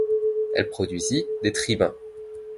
Elle produisit des tribuns.